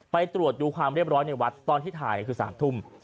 ไปตรวจดูความเรียบร้อยในวัดตอนที่ถ่ายคือ๓ทุ่ม